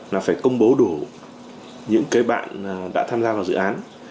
là phải công bố đủ những cái bạn đã tham gia vào dự án